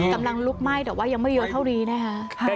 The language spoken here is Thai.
กำลังลุกไหม้แต่ว่ายังไม่เยอะเท่านี้นะคะ